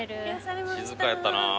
静かやったな。